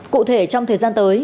cụ thể trong thời gian tới